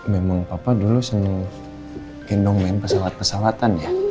memang papa dulu sering gendong main pesawat pesawatan ya